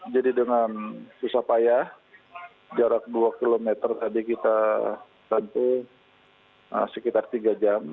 jadi dengan susah payah jarak dua km tadi kita kampung sekitar tiga jam